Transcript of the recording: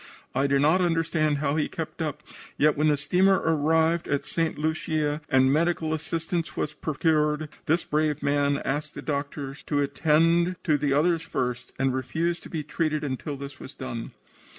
I do not understand how he kept up, yet when the steamer arrived at St. Lucia and medical assistance was procured, this brave man asked the doctors to attend to the others first and refused to be treated until this was done.